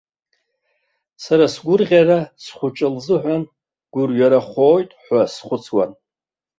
Сара сгәырӷьара схәыҷы лзыҳәан гәырҩарахоит ҳәа схәыцуан.